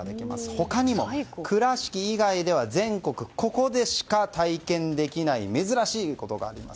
他にも倉敷以外では全国、ここでしか体験できない珍しいことがあります。